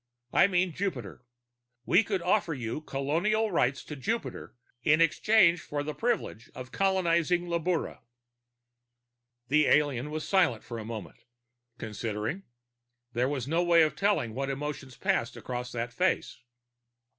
I mean Jupiter. We could offer you colonial rights to Jupiter in exchange for the privilege of colonizing Labura!" The alien was silent for a moment. Considering? There was no way of telling what emotions passed across that face.